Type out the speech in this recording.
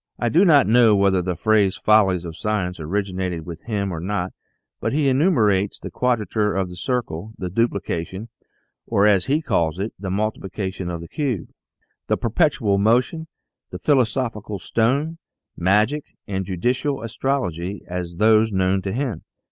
I do not know whether the phrase " Follies of Science " origi nated with him or not, but he enumerates the Quadrature of the Circle ; the Duplication, or, as he calls it, the Multiplication of the Cube ; the Perpetual Motion ; the Philosophical Stone ; Magic, and Judicial Astrology, as those known to him.